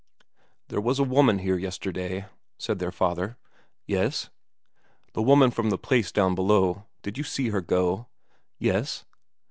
"There was a woman here yesterday," said their father. "Yes." "The woman from the place down below. Did you see her go?" "Yes."